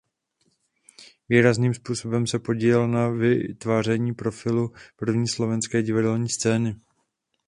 Výrazným způsobem se podílel na vytváření profilu první slovenské divadelní scény.